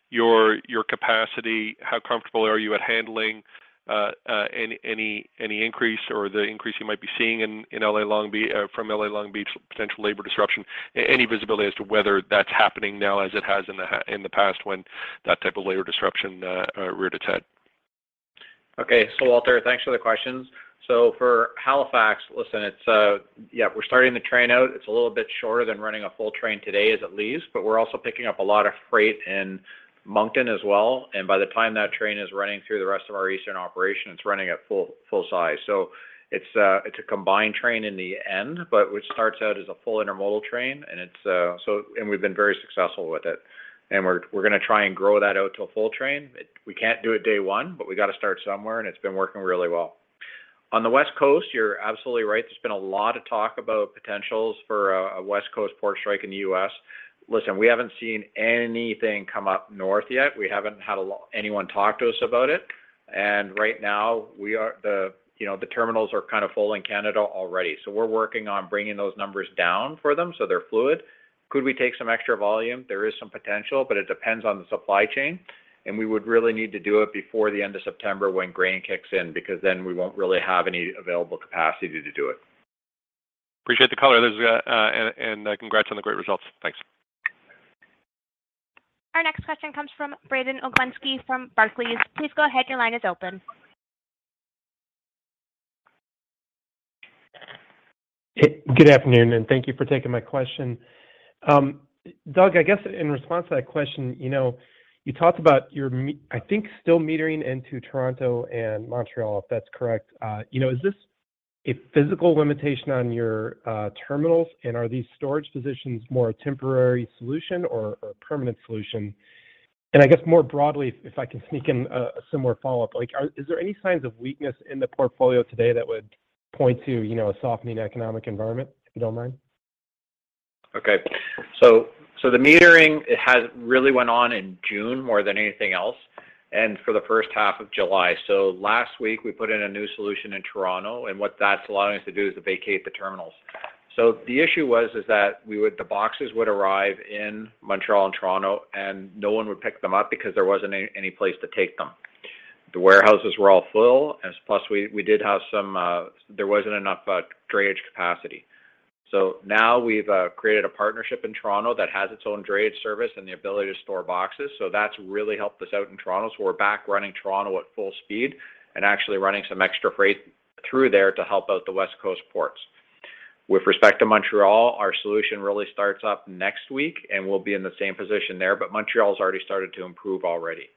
S17: your capacity? How comfortable are you at handling any increase or the increase you might be seeing in L.A. Long Beach from L.A. Long Beach potential labor disruption? Any visibility as to whether that's happening now as it has in the past when that type of labor disruption reared its head?
S5: Okay. Walter, thanks for the questions. For Halifax, listen, it's yeah, we're starting the train out. It's a little bit shorter than running a full train today as it leaves, but we're also picking up a lot of freight in Moncton as well. By the time that train is running through the rest of our eastern operation, it's running at full size. It's a combined train in the end, but which starts out as a full intermodal train. We've been very successful with it. We're gonna try and grow that out to a full train. We can't do it day one, but we got to start somewhere, and it's been working really well. On the West Coast, you're absolutely right. There's been a lot of talk about potential for a US West Coast port strike. Listen, we haven't seen anything come up north yet. We haven't had anyone talk to us about it. Right now, you know, the terminals are kind of full in Canada already. We're working on bringing those numbers down for them, so they're fluid. Could we take some extra volume? There is some potential, but it depends on the supply chain, and we would really need to do it before the end of September when grain kicks in, because then we won't really have any available capacity to do it.
S17: Appreciate the color. Congrats on the great results. Thanks.
S1: Our next question comes from Brandon Oglenski from Barclays. Please go ahead. Your line is open.
S18: Hey, good afternoon, and thank you for taking my question. Doug, I guess in response to that question, you know, you talked about, I think, still metering into Toronto and Montreal, if that's correct. You know, is this a physical limitation on your terminals? And are these storage positions more a temporary solution or a permanent solution? And I guess more broadly, if I can sneak in a similar follow-up. Like, is there any signs of weakness in the portfolio today that would point to, you know, a softening economic environment, if you don't mind?
S5: Okay. The metering has really went on in June more than anything else, and for the first half of July. Last week, we put in a new solution in Toronto, and what that's allowing us to do is to vacate the terminals. The issue was that the boxes would arrive in Montreal and Toronto, and no one would pick them up because there wasn't any place to take them. The warehouses were all full. There wasn't enough drayage capacity. Now we've created a partnership in Toronto that has its own drayage service and the ability to store boxes. That's really helped us out in Toronto. We're back running Toronto at full speed and actually running some extra freight through there to help out the West Coast ports. With respect to Montreal, our solution really starts up next week, and we'll be in the same position there. Montreal has already started to improve already.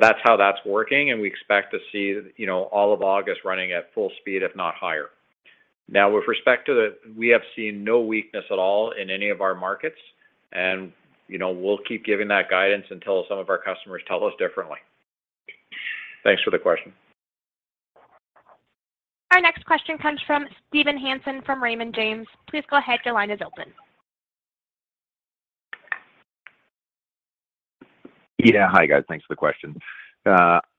S5: That's how that's working, and we expect to see, you know, all of August running at full speed, if not higher. Now, with respect to the. We have seen no weakness at all in any of our markets. You know, we'll keep giving that guidance until some of our customers tell us differently. Thanks for the question.
S1: Our next question comes from Steven Hansen from Raymond James. Please go ahead. Your line is open.
S19: Yeah. Hi, guys. Thanks for the question.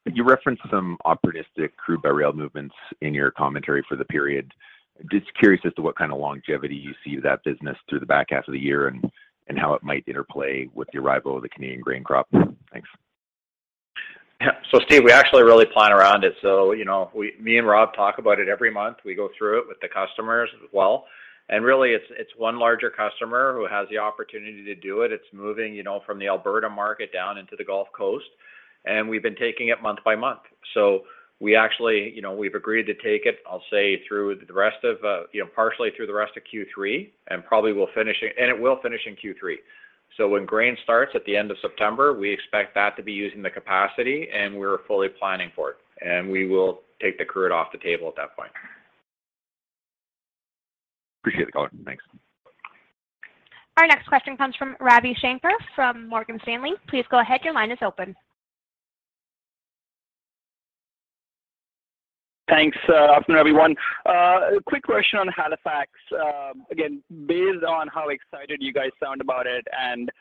S19: You referenced some opportunistic crude by rail movements in your commentary for the period. Just curious as to what kind of longevity you see that business through the back half of the year and how it might interplay with the arrival of the Canadian grain crop? Thanks.
S5: Yeah. Steve, we actually really plan around it. You know, we, me and Rob talk about it every month. We go through it with the customers as well. Really, it's one larger customer who has the opportunity to do it. It's moving, you know, from the Alberta market down into the Gulf Coast, and we've been taking it month by month. We actually, you know, we've agreed to take it, I'll say, through the rest of, you know, partially through the rest of Q3, and probably we'll finish it, and it will finish in Q3. When grain starts at the end of September, we expect that to be using the capacity, and we're fully planning for it. We will take the crude off the table at that point.
S19: Appreciate the color. Thanks.
S1: Our next question comes from Ravi Shanker from Morgan Stanley. Please go ahead. Your line is open.
S20: Thanks. Afternoon, everyone. A quick question on Halifax. Again, based on how excited you guys sound about it, and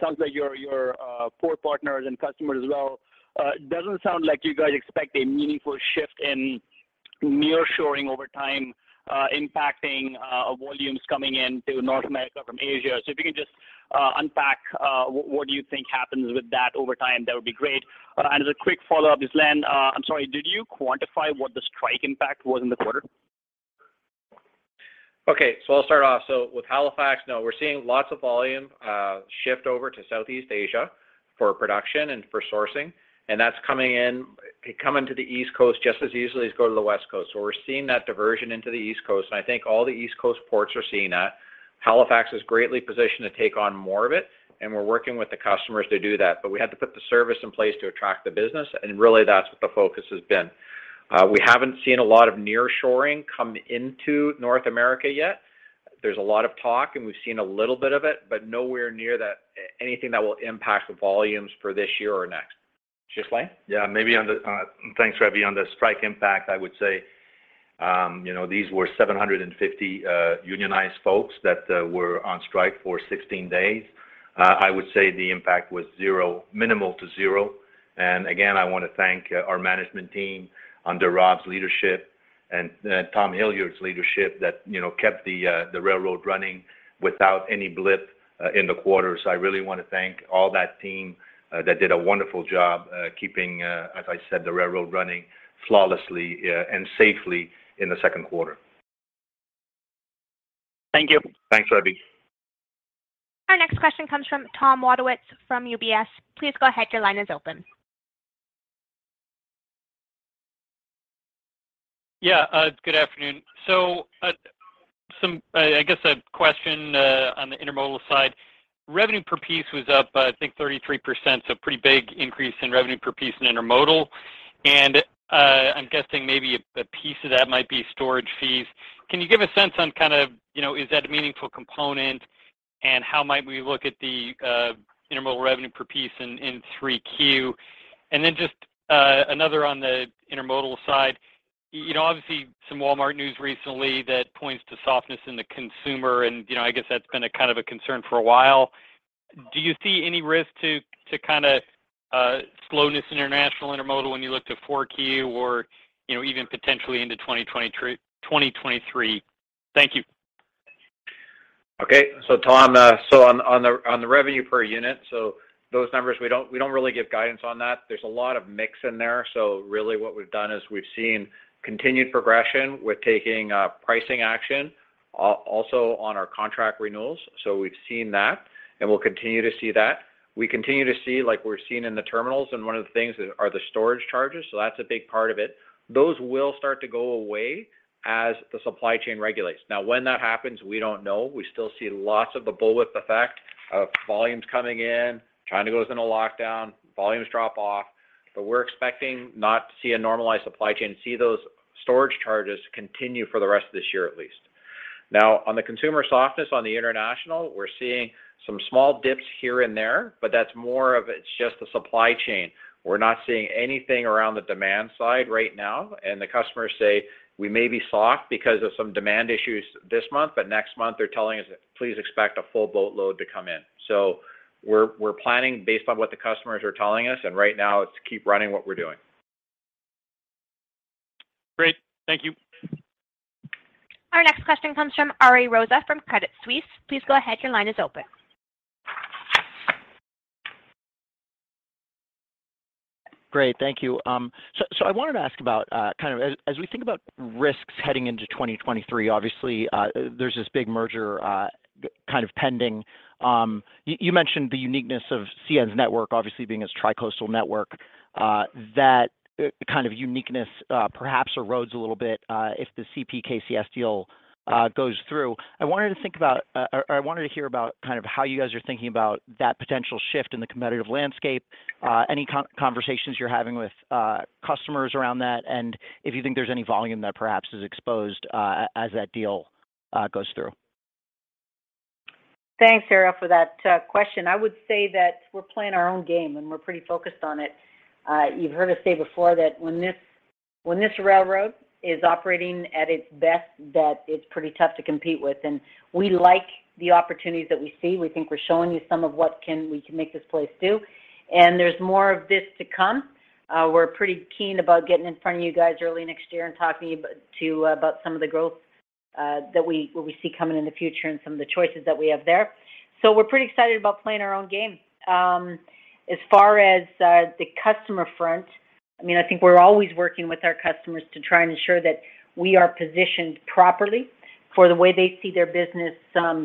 S20: sounds like your port partners and customers as well, it doesn't sound like you guys expect a meaningful shift in nearshoring over time, impacting volumes coming in to North America from Asia. If you can just unpack what do you think happens with that over time, that would be great. As a quick follow-up, just Len, I'm sorry, did you quantify what the strike impact was in the quarter?
S5: Okay, I'll start off. With Halifax, no, we're seeing lots of volume shift over to Southeast Asia for production and for sourcing, and that's coming to the East Coast just as easily as go to the West Coast. We're seeing that diversion into the East Coast, and I think all the East Coast ports are seeing that. Halifax is greatly positioned to take on more of it, and we're working with the customers to do that. But we had to put the service in place to attract the business, and really, that's what the focus has been. We haven't seen a lot of nearshoring come into North America yet. There's a lot of talk, and we've seen a little bit of it, but nowhere near that anything that will impact the volumes for this year or next. Ghislain?
S6: Yeah, maybe on the thanks, Ravi. On the strike impact, I would say, you know, these were 750 unionized folks that were on strike for 16 days. I would say the impact was zero, minimal to zero. Again, I wanna thank our management team under Rob's leadership and Tom Hilliard's leadership that, you know, kept the railroad running without any blip in the quarter. I really wanna thank all that team that did a wonderful job keeping, as I said, the railroad running flawlessly and safely in the second quarter.
S20: Thank you.
S5: Thanks, Ravi.
S1: Our next question comes from Tom Wadewitz from UBS. Please go ahead, your line is open.
S21: Good afternoon. I guess a question on the intermodal side. Revenue per piece was up by, I think, 33%, so pretty big increase in revenue per piece in intermodal. I'm guessing maybe a piece of that might be storage fees. Can you give a sense on kind of, you know, is that a meaningful component, and how might we look at the intermodal revenue per piece in 3Q? Just another on the intermodal side. You know, obviously, some Walmart news recently that points to softness in the consumer and, you know, I guess that's been a kind of a concern for a while. Do you see any risk to kinda slowness international intermodal when you look to 4Q or, you know, even potentially into 2023? Thank you.
S5: Okay. Tom, on the revenue per unit, those numbers, we don't really give guidance on that. There's a lot of mix in there. Really what we've done is we've seen continued progression. We're taking pricing action also on our contract renewals. We've seen that, and we'll continue to see that. We continue to see, like we're seeing in the terminals, and one of the things are the storage charges, so that's a big part of it. Those will start to go away as the supply chain regulates. Now, when that happens, we don't know. We still see lots of the bulge effect of volumes coming in. China goes into lockdown, volumes drop off. We're expecting not to see a normalized supply chain, see those storage charges continue for the rest of this year, at least. Now, on the consumer softness on the international, we're seeing some small dips here and there, but that's more of it. It's just the supply chain. We're not seeing anything around the demand side right now, and the customers say, "We may be soft because of some demand issues this month," but next month they're telling us, "Please expect a full boatload to come in." We're planning based on what the customers are telling us, and right now it's keep running what we're doing.
S21: Great. Thank you.
S1: Our next question comes from Ari Rosa from Credit Suisse. Please go ahead, your line is open.
S22: Great. Thank you. I wanted to ask about kind of as we think about risks heading into 2023, obviously, there's this big merger kind of pending. You mentioned the uniqueness of CN's network, obviously, being its three-coast network, that kind of uniqueness perhaps erodes a little bit if the CP KCS deal goes through. I wanted to hear about kind of how you guys are thinking about that potential shift in the competitive landscape, any conversations you're having with customers around that, and if you think there's any volume that perhaps is exposed as that deal goes through.
S3: Thanks, Ari, for that question. I would say that we're playing our own game, and we're pretty focused on it. You've heard us say before that when this railroad is operating at its best, that it's pretty tough to compete with. We like the opportunities that we see. We think we're showing you some of what we can make this place do, and there's more of this to come. We're pretty keen about getting in front of you guys early next year and talking about some of the growth that we see coming in the future and some of the choices that we have there. We're pretty excited about playing our own game. As far as the customer front, I mean, I think we're always working with our customers to try and ensure that we are positioned properly for the way they see their business,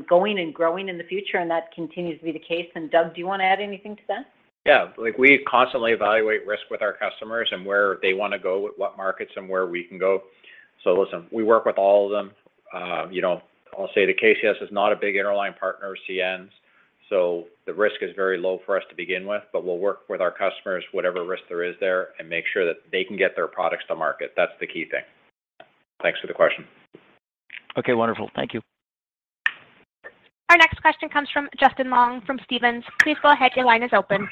S3: going and growing in the future, and that continues to be the case. Doug, do you wanna add anything to that?
S5: Yeah. Like, we constantly evaluate risk with our customers and where they wanna go, what markets and where we can go. Listen, we work with all of them. You know, I'll say the KCS is not a big interline partner of CN's, so the risk is very low for us to begin with. We'll work with our customers, whatever risk there is there, and make sure that they can get their products to market. That's the key thing. Thanks for the question.
S22: Okay. Wonderful. Thank you.
S1: Our next question comes from Justin Long from Stephens. Please go ahead, your line is open.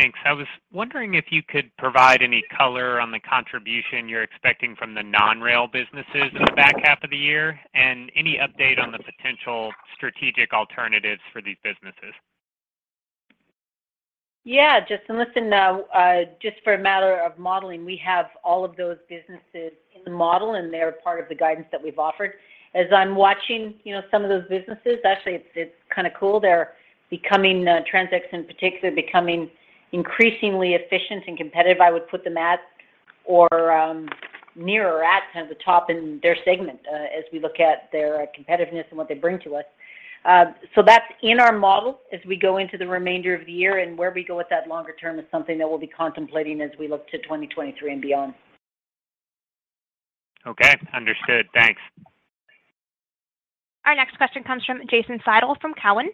S23: Thanks. I was wondering if you could provide any color on the contribution you're expecting from the non-rail businesses in the back half of the year, and any update on the potential strategic alternatives for these businesses?
S3: Yeah, Justin. Listen, just for a matter of modeling, we have all of those businesses in the model, and they're part of the guidance that we've offered. As I'm watching, you know, some of those businesses, actually, it's kinda cool. They're becoming, TransX in particular, becoming increasingly efficient and competitive, I would put them at or, near or at kind of the top in their segment, as we look at their competitiveness and what they bring to us. That's in our model as we go into the remainder of the year, and where we go with that longer term is something that we'll be contemplating as we look to 2023 and beyond.
S23: Okay. Understood. Thanks.
S1: Our next question comes from Jason Seidl from Cowen.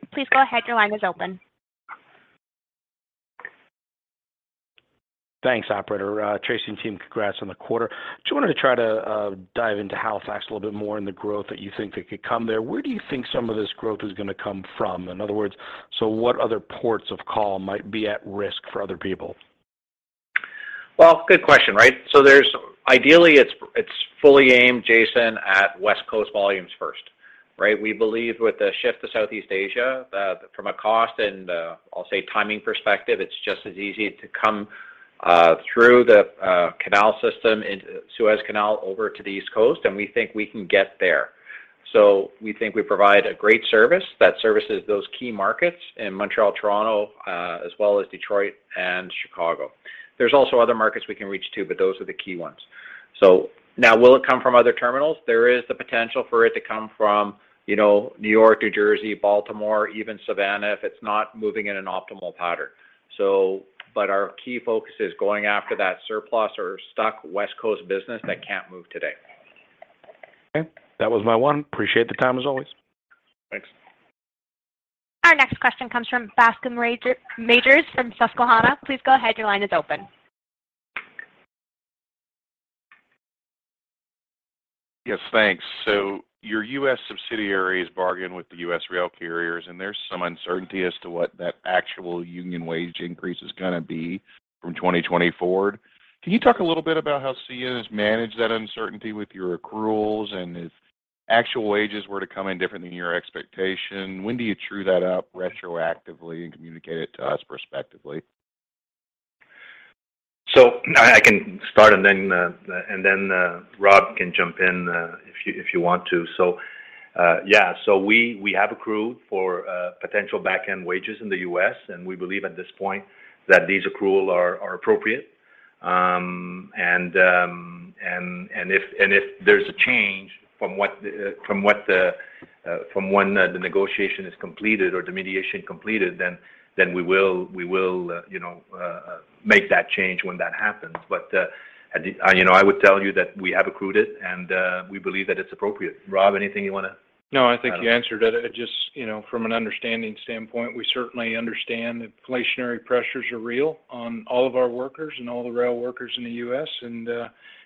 S1: Please go ahead. Your line is open.
S24: Thanks, operator. Tracy and team, congrats on the quarter. Just wanted to try to dive into Halifax a little bit more and the growth that you think that could come there. Where do you think some of this growth is gonna come from? In other words, what other ports of call might be at risk for other people?
S5: Well, good question, right. There's ideally, it's fully aimed, Jason, at West Coast volumes first, right? We believe with the shift to Southeast Asia, from a cost and, I'll say timing perspective, it's just as easy to come through the canal system into Suez Canal over to the East Coast, and we think we can get there. We think we provide a great service that services those key markets in Montreal, Toronto, as well as Detroit and Chicago. There's also other markets we can reach too, but those are the key ones. Now will it come from other terminals? There is the potential for it to come from, you know, New York, New Jersey, Baltimore, even Savannah, if it's not moving in an optimal pattern. Our key focus is going after that surplus or stuck West Coast business that can't move today.
S24: Okay. That was my one. Appreciate the time, as always.
S5: Thanks.
S1: Our next question comes from Bascome Majors from Susquehanna. Please go ahead. Your line is open.
S25: Yes, thanks. Your US subsidiaries bargain with the US rail carriers, and there's some uncertainty as to what that actual union wage increase is gonna be from 2020 forward. Can you talk a little bit about how CN has managed that uncertainty with your accruals and if actual wages were to come in different than your expectation, when do you true that up retroactively and communicate it to us prospectively?
S5: I can start and then Rob can jump in if you want to. We have accrued for potential backend wages in the U.S., and we believe at this point that these accruals are appropriate. If there's a change from when the negotiation is completed or the mediation completed, then we will make that change when that happens. You know, I would tell you that we have accrued it, and we believe that it's appropriate. Rob, anything you wanna add on?
S4: No, I think you answered it. Just, you know, from an understanding standpoint, we certainly understand inflationary pressures are real on all of our workers and all the rail workers in the U.S., and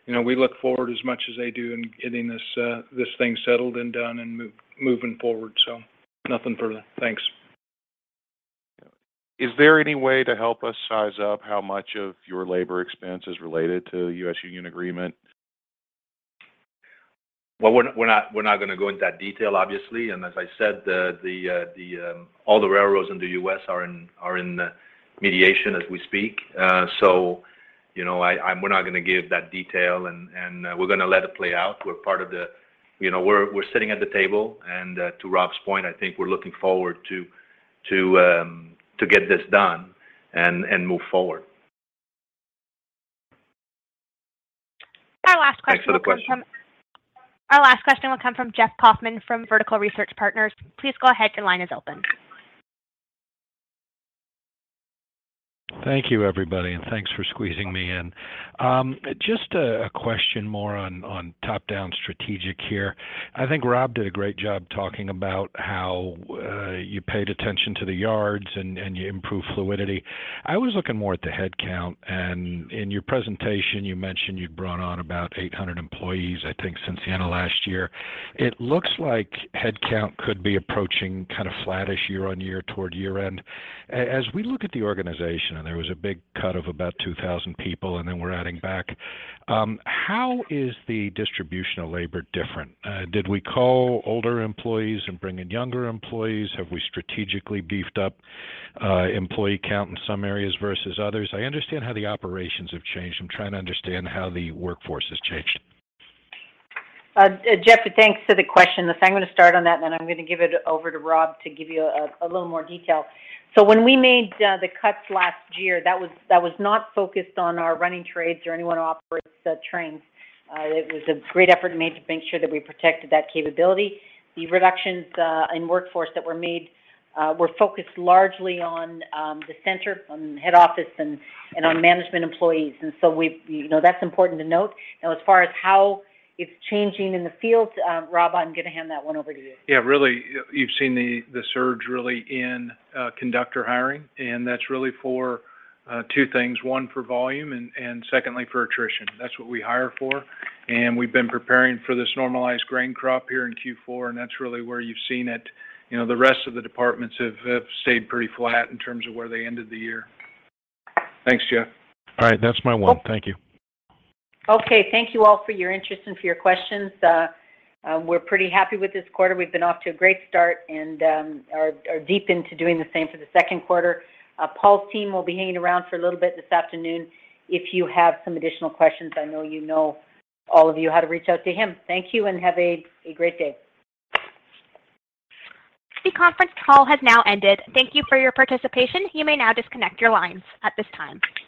S4: you know, we look forward as much as they do in getting this thing settled and done and moving forward. So nothing further. Thanks.
S25: Is there any way to help us size up how much of your labor expense is related to the U.S. union agreement?
S5: Well, we're not gonna go into that detail, obviously. As I said, all the railroads in the U.S. are in mediation as we speak. You know, we're not gonna give that detail and we're gonna let it play out. We're part of the. You know, we're sitting at the table, and to Rob's point, I think we're looking forward to get this done and move forward.
S1: Our last question will come from.
S5: Thanks for the question.
S1: Our last question will come from Jeff Kauffman from Vertical Research Partners. Please go ahead. Your line is open.
S26: Thank you, everybody, and thanks for squeezing me in. Just a question more on top-down strategic here. I think Rob did a great job talking about how you paid attention to the yards and you improved fluidity. I was looking more at the headcount, and in your presentation, you mentioned you'd brought on about 800 employees, I think, since the end of last year. It looks like headcount could be approaching kind of flattish year-on-year toward year-end. As we look at the organization, and there was a big cut of about 2,000 people and then we're adding back, how is the distribution of labor different? Did we cull older employees and bring in younger employees? Have we strategically beefed up employee count in some areas versus others? I understand how the operations have changed. I'm trying to understand how the workforce has changed.
S3: Jeff, thanks for the question. I'm gonna start on that, and then I'm gonna give it over to Rob to give you a little more detail. When we made the cuts last year, that was not focused on our running trades or anyone who operates the trains. It was a great effort made to make sure that we protected that capability. The reductions in workforce that were made were focused largely on the center, on head office and on management employees. You know, that's important to note. Now as far as how it's changing in the field, Rob, I'm gonna hand that one over to you.
S4: Yeah, really, you've seen the surge really in conductor hiring, and that's really for two things, one, for volume and secondly for attrition. That's what we hire for, and we've been preparing for this normalized grain crop here in Q4, and that's really where you've seen it. You know, the rest of the departments have stayed pretty flat in terms of where they ended the year. Thanks, Jeff.
S3: Okay.
S26: All right. That's my one. Thank you.
S3: Okay. Thank you all for your interest and for your questions. We're pretty happy with this quarter. We've been off to a great start and are deep into doing the same for the second quarter. Paul's team will be hanging around for a little bit this afternoon if you have some additional questions. I know you know, all of you, how to reach out to him. Thank you and have a great day.
S1: The conference call has now ended. Thank you for your participation. You may now disconnect your lines at this time.